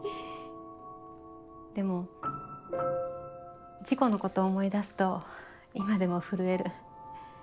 でも事故のこと思い出すと今でも震える。